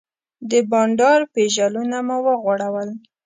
د بانډار پیژلونه مو وغوړول.